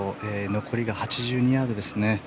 残りが８２ヤードです。